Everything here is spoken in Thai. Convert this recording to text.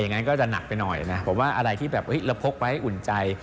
อย่างนั้นก็จะหนักไปหน่อยผมว่าอะไรที่เราพกไปให้อุ่นใจ